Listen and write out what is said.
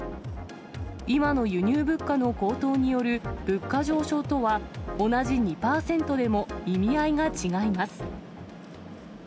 今の輸入物価の高騰による物価上昇とは、同じ２％でも意味合いが違います。